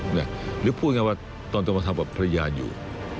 หรือพูดอย่างไรว่าตอนต้องมาทำแบบพยายามอยู่